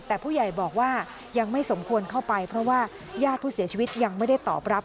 แต่ผู้ใหญ่บอกว่ายังไม่สมควรเข้าไปเพราะว่าญาติผู้เสียชีวิตยังไม่ได้ตอบรับ